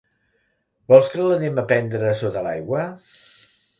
Vols que l'anem a prendre sota l'aigua?